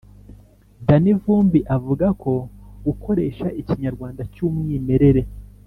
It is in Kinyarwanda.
danny vumbi avuga ko gukoresha ikinyarwanda cy’umwimerere